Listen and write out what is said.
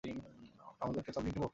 আপনার জন্য একটা ড্রিংক নিবো?